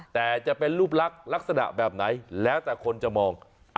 แต่จะเป็นรูปลักษณ์ลักษณะแบบไหนแล้วแต่คนจะมอง